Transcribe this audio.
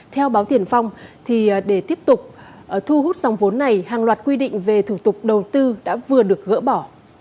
theo báo tiền phong để tiếp tục thu hút dòng vốn này hàng loạt quy định về thủ tục đầu tư đã vừa được gỡ bỏ